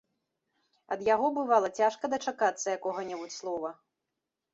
Ад яго, бывала, цяжка дачакацца якога-небудзь слова.